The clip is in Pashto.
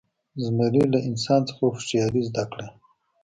زمري له انسان څخه هوښیاري زده کړه.